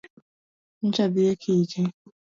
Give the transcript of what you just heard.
Nyocha adhi e kiche.